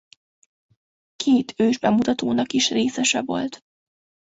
Két ősbemutatónak is részese volt.